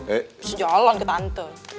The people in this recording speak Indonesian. bisa jalan ke tante